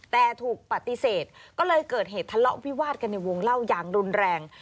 แต่ถูกปฏิเสธก็เลยเกิดเหตุทะเลาะวิวาดกันในวงเล่าอย่างรุนแรง